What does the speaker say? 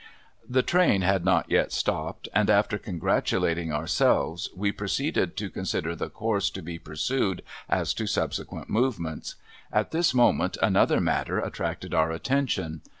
The train had not yet stopped, and after congratulating ourselves, we proceeded to consider the course to be pursued as to subsequent movements. At this moment another matter attracted our attention.